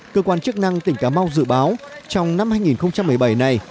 cơ quan chức năng tỉnh cà mau dự báo trong năm hai nghìn một mươi bảy này